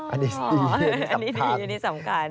อันนี้สิสำคัญ